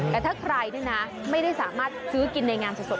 แต่ถ้าใครนี่นะไม่ได้สามารถซื้อกินในงานสด